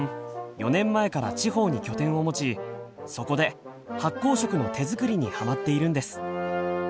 ４年前から地方に拠点を持ちそこで発酵食の手作りにハマっているんです。